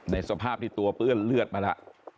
ในสภาพที่ตัวเพื่อนเลือดมาล่ะ